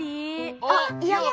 あっいや。